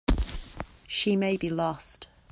She may be lost.